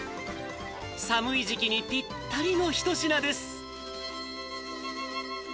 寒い時期にぴったりの一品です。